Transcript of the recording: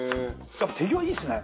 やっぱ手際いいですね。